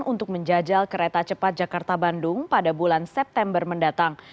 untuk menjajal kereta cepat jakarta bandung pada bulan september mendatang